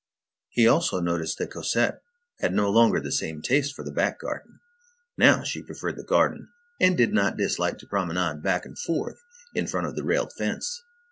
He also noticed that Cosette had no longer the same taste for the back garden. Now she preferred the garden, and did not dislike to promenade back and forth in front of the railed fence.